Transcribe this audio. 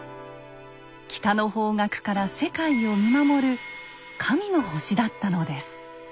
北の方角から世界を見守る「神の星」だったのです。